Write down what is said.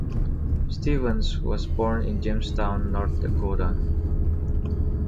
Stevens was born in Jamestown, North Dakota.